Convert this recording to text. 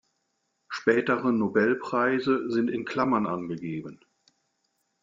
Spätere Nobelpreise sind in Klammern angegeben.